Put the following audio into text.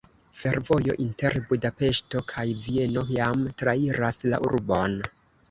Fervojo inter Budapeŝto kaj Vieno jam trairas la urbon.